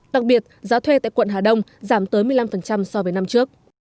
đặc biệt giá thuê tại quận hà đông giảm tới một mươi năm so với năm trước